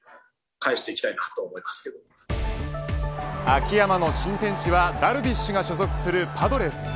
秋山の新天地はダルビッシュが所属するパドレス。